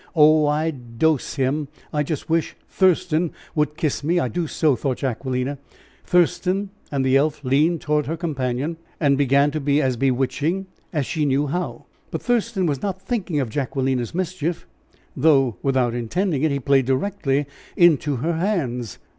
Oh, I'd dose him! I just wish Thurston would kiss me! I do so!" thought Jacquelina. "Thurston," and the elf leaned toward her companion, and began to be as bewitching as she knew how. But Thurston was not thinking of Jacquelina's mischief, though without intending it he played directly into her hands.